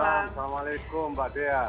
assalamualaikum mbak dea